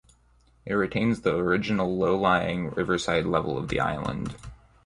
It retains the original low-lying riverside level of the island.